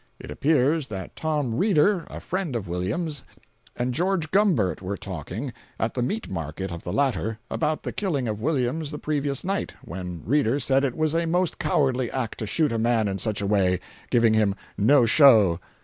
It appears that Tom Reeder, a friend of Williams, and George Gumbert were talking, at the meat market of the latter, about the killing of Williams the previous night, when Reeder said it was a most cowardly act to shoot a man in such a way, giving him "no show."